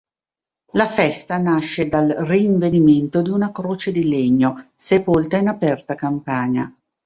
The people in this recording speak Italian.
La festa nasce dal rinvenimento di una croce di legno, sepolta in aperta campagna.